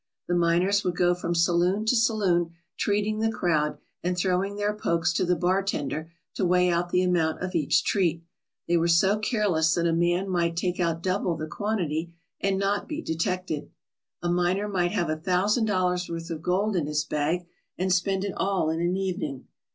The miners would go from saloon to saloon treat ing the crowd and throwing their pokes to the bartender to weigh out the amount of each treat. They were so careless that a man might take out double the quantity and not be detected. A miner might have a thousand dollars' worth of gold in his bag, and spend it all in an evening.